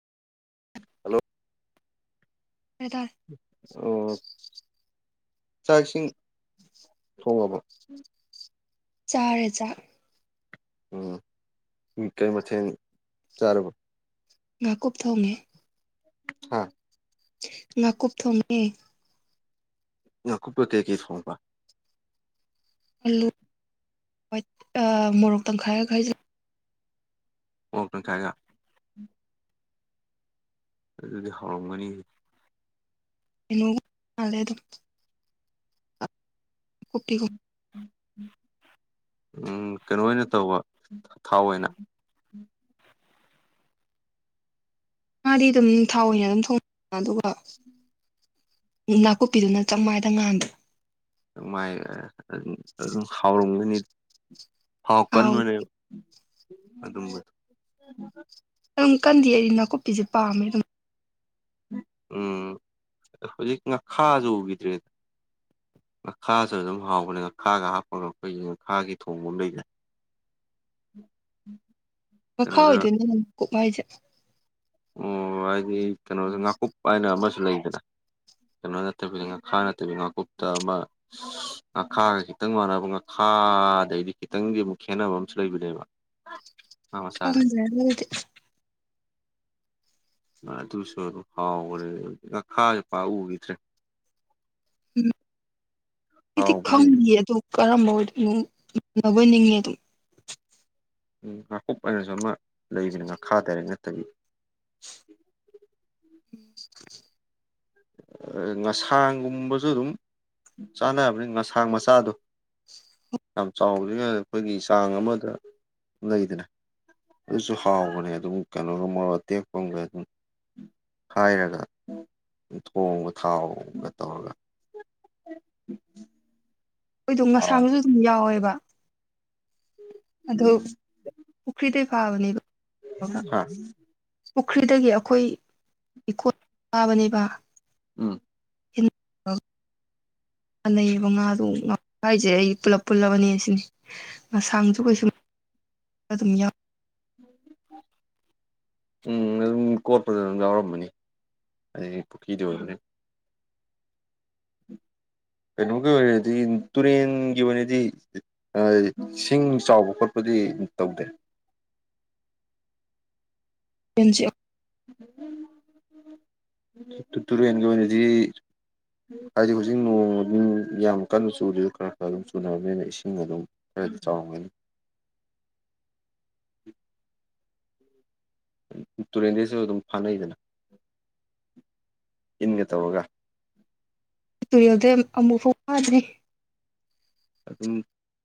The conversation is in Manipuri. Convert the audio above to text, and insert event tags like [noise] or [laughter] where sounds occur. ꯍꯜꯂꯣ ꯍꯗꯣꯏ ꯑꯣ ꯆꯥꯛ ꯏꯁꯤꯡ ꯊꯣꯡꯉꯕ ꯆꯥ ꯍꯖꯥꯛ ꯎꯝ ꯀꯩ ꯃꯊꯦꯜ ꯆꯥꯔꯕꯣ ꯉꯥꯀꯨꯞ ꯊꯣꯡꯉꯦ ꯍꯥ ꯅꯥꯀꯨꯞ ꯊꯣꯣꯡꯦ ꯅꯪꯀꯨꯞꯄ ꯀꯩꯀꯩ ꯐꯣꯡꯕ ꯑꯜꯂꯨ ꯍꯣꯏ ꯃꯣꯔꯣꯛ ꯇꯪꯈꯥꯏꯔ ꯈꯥꯏꯖꯂ ꯑꯣ ꯇꯪꯈꯥꯏꯒ ꯑꯗꯨꯗꯤ ꯍꯧꯥꯎꯔꯝꯒꯅꯤ ꯃꯥꯂꯦ ꯑꯗꯨ ꯀꯨꯞꯄꯤꯤ ꯎꯝ ꯀꯩꯅꯣ ꯑꯣꯏꯅ ꯇꯧꯕ ꯊꯥꯎ ꯑꯣꯏꯅ ꯃꯥꯗꯤ ꯑꯗꯨꯝ ꯊꯥꯎ ꯑꯣꯏꯅ ꯑꯗꯨꯝ ꯊꯣꯡ ꯑꯗꯨꯒ ꯅꯥꯀꯨꯞꯄꯤꯗꯨꯅ ꯆꯞ ꯃꯥꯟꯅ ꯉꯥꯟꯗ꯭ꯔꯥ ꯥꯏ ꯑꯗꯨ ꯑꯗꯨꯝ ꯍꯥꯎꯔꯝꯒꯅꯤ ꯍꯥꯎ ꯀꯟꯕꯅꯦꯕ ꯑꯗꯨꯝꯕ ꯑꯗꯨꯝ ꯀꯟꯗꯤ ꯑꯩꯗꯤ ꯅꯥꯀꯨꯞꯄꯤꯁꯦ ꯄꯥꯝꯃꯦ ꯑꯗꯨꯝ ꯎꯝ ꯍꯧꯖꯤꯛ ꯉꯈꯥꯁꯨ ꯎꯈꯤꯗ꯭ꯔꯦꯗ ꯉꯥꯈꯥꯁꯨ ꯑꯗꯨꯝ ꯍꯥꯎꯕꯅꯦ ꯉꯥꯈꯥꯒ ꯍꯥꯞꯄꯒ ꯑꯩꯈꯣꯏꯒꯤ ꯉꯥꯈꯥꯒꯤ ꯊꯣꯡꯕ ꯑꯃ ꯂꯩꯖꯦ ꯎꯝ ꯎꯝ ꯃꯈꯥ ꯑꯣꯏꯗꯣꯏꯅꯦ ꯅꯪ ꯀꯣꯛ ꯍꯥꯏꯁꯦ ꯑꯣ ꯍꯥꯏꯗꯤ ꯀꯩꯅꯣꯗ ꯉꯥꯀꯨꯞ ꯍꯥꯏꯅ ꯑꯃꯁꯨ ꯂꯩꯗꯗ ꯀꯩꯅꯣ ꯅꯠꯇꯕꯤꯅꯤ ꯉꯥꯈꯥ ꯅꯠꯇꯕꯤ ꯉꯀꯨꯞꯇ ꯑꯃ ꯉꯥꯈꯥꯒ ꯈꯤꯇꯪ ꯃꯥꯟꯅꯕ ꯉꯥꯈꯥ ꯑꯗꯩꯗꯤ ꯈꯤꯇꯪꯗꯤ ꯑꯃꯨꯛ ꯈꯦꯠꯅꯕ ꯑꯃꯁꯨ ꯂꯩꯕꯅꯦꯕ ꯑ ꯍꯗꯤ ꯑꯗꯨꯁꯨ ꯑꯗꯨꯝ ꯍꯥꯎꯈ꯭ꯔꯦ ꯀꯈꯥꯁꯨ ꯄꯥꯎꯈꯤꯗ꯭ꯔꯦ ꯎꯝ ꯍꯥꯏꯗꯤ ꯍꯥꯎꯕꯅꯦ ꯈꯪꯗ ꯑꯗꯨꯣ ꯀꯔꯝꯕ ꯑꯣꯏꯗꯣꯏꯅꯣ ꯅꯤꯡꯉꯦ ꯑꯗꯨꯝ ꯎꯝ ꯉꯀꯨꯞ ꯑ ꯑꯣꯏꯅꯁꯨ ꯑꯃ ꯂꯩꯕꯅꯤ ꯉꯈꯥ ꯇꯔꯛ ꯅꯠꯇꯕꯤ ꯎꯝ ꯉꯁꯥꯡꯒꯨꯝꯕꯁꯨ ꯑꯗꯨꯝ ꯆꯥꯟꯅꯕꯅꯤ ꯉꯁꯥꯡ ꯃꯆꯥꯗꯣ ꯌꯥꯝ ꯆꯥꯎ꯭ꯉꯩ ꯑꯩꯈꯣꯏꯒꯤ ꯆꯥꯡ ꯑꯃꯗ ꯂꯩꯗꯅ ꯑꯗꯨꯁꯨ ꯍꯥꯎꯕꯅꯦ ꯑꯗꯨꯝ ꯀꯩꯅꯣꯒꯨꯝ ꯃꯔꯣ ꯑ ꯇꯦꯛꯄꯒ ꯑꯗꯨꯝ ꯍꯥꯏꯔꯒ ꯊꯣꯡꯕ ꯊꯥꯎꯒ ꯇꯧꯔꯒ ꯑꯩꯈꯣꯏꯗꯝ ꯍꯥꯎ ꯉꯁꯥꯡꯒꯁꯨ ꯑꯗꯨꯝ ꯌꯥꯎꯋꯦꯕ ꯑꯗꯣ ꯄꯨꯈ꯭ꯔꯤꯗ ꯐꯥꯕꯅꯦꯕ [unintelligible] ꯄꯨꯈ꯭ꯔꯤꯗꯒꯤ ꯑꯩꯈꯣꯏ ꯏꯈꯣ ꯆꯥꯕꯅꯦꯕ ꯎꯝ ꯂꯩꯌꯦꯕ ꯉꯥꯗꯨ ꯉ ꯍꯥꯏꯁꯦ ꯑꯩ ꯄꯨꯂꯞ ꯄꯨꯜꯂꯕꯅꯦ ꯁꯤꯅꯤ ꯉꯁꯥꯡꯁꯨ ꯀꯩꯁꯨꯨꯝ ꯑꯗꯨꯝ ꯌꯥꯎ ꯎ ꯎꯝ ꯑꯗꯨꯝ ꯀꯣꯠꯄꯗ ꯑꯗꯨꯝ ꯌꯥꯎꯔꯝꯕꯅꯤ ꯑꯗꯒꯤ ꯄꯨꯈ꯭ꯔꯤꯗꯨ ꯑꯣꯏꯕꯅꯤ ꯀꯩꯅꯣꯒꯤ ꯑꯣꯏꯔꯗꯤ ꯇꯨꯔꯦꯟꯒꯤ ꯑꯣꯏꯅꯗꯤ ꯏꯁꯤꯡ ꯆꯥꯎꯕ ꯈꯣꯠꯄꯗꯤ ꯇꯧꯗꯦ ꯑꯗꯨꯖ ꯆ ꯇ ꯇꯔ ꯌꯦꯒꯗꯤ ꯍꯥꯏꯗꯤ ꯍꯧꯖꯤꯛ ꯅꯣꯡꯃꯗꯤ ꯌꯥꯝ ꯀꯟꯅ ꯆꯨꯗꯁꯨ ꯈꯔ ꯈꯔ ꯑꯗꯨꯝ ꯆꯨꯅꯕꯅꯤꯅ ꯏꯁꯤꯡ ꯑꯗꯨꯝ ꯑꯩ ꯆꯣꯡꯒꯦ ꯇꯨꯔꯦꯟꯗꯩꯁꯨ ꯑꯗꯨꯝ ꯐꯥꯅꯩꯗꯅ ꯏꯟꯒ ꯇꯧꯔꯒ ꯇꯨꯔꯦꯜꯗ ꯑꯃꯨꯛ ꯐꯥꯎ ꯐꯥꯗ꯭ꯔꯤ ꯑꯗꯨ